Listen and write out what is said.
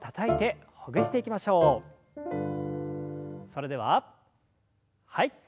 それでははい。